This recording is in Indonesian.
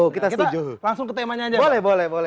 kita langsung ke temanya aja